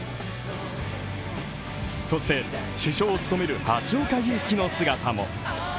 そして、主将を務める橋岡優輝の姿も。